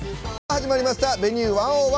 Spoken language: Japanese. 始まりました「Ｖｅｎｕｅ１０１」。